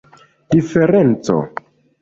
diferenco